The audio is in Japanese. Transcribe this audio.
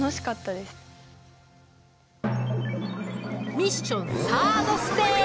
ミッションサードステージ！